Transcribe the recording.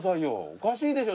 おかしいでしょ。